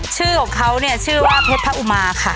ชื่อของเขาเนี่ยชื่อว่าเพชรพระอุมาค่ะ